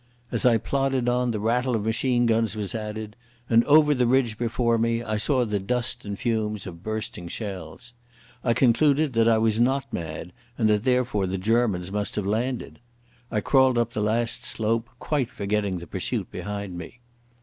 As I plodded on the rattle of machine guns was added, and over the ridge before me I saw the dust and fumes of bursting shells. I concluded that I was not mad, and that therefore the Germans must have landed. I crawled up the last slope, quite forgetting the pursuit behind me.